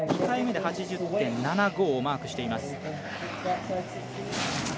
２回目で８０．７５をマークしています。